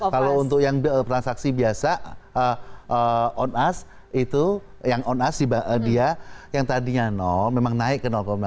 kalau untuk yang transaksi biasa on us itu yang on us dia yang tadinya nol memang naik ke enam